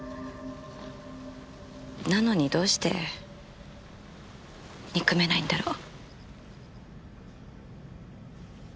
なのにどうして憎めないんだろう。